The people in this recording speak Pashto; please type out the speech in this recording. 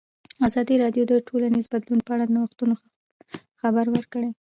ازادي راډیو د ټولنیز بدلون په اړه د نوښتونو خبر ورکړی.